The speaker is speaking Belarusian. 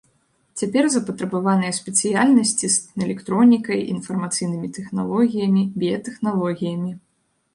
Цяпер запатрабаваныя спецыяльнасці з электронікай, інфармацыйнымі тэхналогіямі, біятэхналогіямі.